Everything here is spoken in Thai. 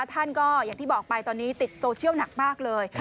ท่านก็อย่างที่บอกไปตอนนี้ติดโซเชียลหนักมากเลย